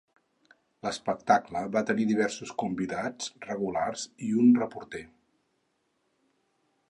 L'espectacle va tenir diversos convidats regulars i un reporter.